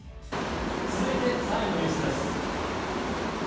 続いて３位のニュースです。